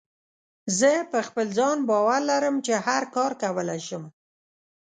زه په خپل ځان باور لرم چې هر کار کولی شم.